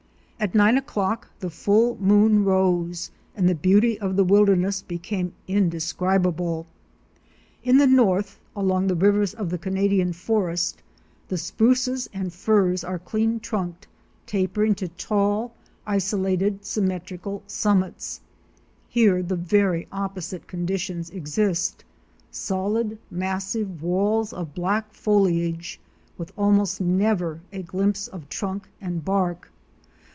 At nine o'clock the full moon rose and the beauty of the wilderness became indescribable. In the north —along the STEAMER AND LAUNCH TO HOORIE CREEK. I61 rivers of the Canadian forest — the spruces and firs are clean trunked, tapering to tall, isolated, symmetrical sum mits. Here the very opposite conditions exist; solid massive walls of black foliage, with almost never a glimpse of trunk and bark.